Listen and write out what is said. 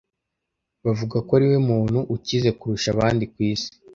Bavuga ko ariwe muntu ukize kurusha abandi ku isi.